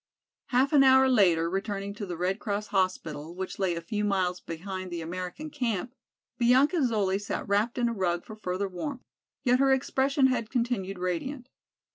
Half an hour later, returning to the Red Cross hospital, which lay a few miles behind the American camp, Bianca Zoli sat wrapped in a rug for further warmth, yet her expression had continued radiant.